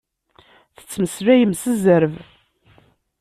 Tettmeslayem s zzerb.